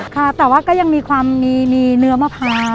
ค่ะแต่ว่าก็ยังมีความมีเนื้อมะพร้าว